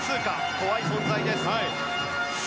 怖い存在です。